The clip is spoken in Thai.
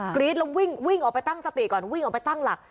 รี๊ดแล้ววิ่งวิ่งออกไปตั้งสติก่อนวิ่งออกไปตั้งหลัก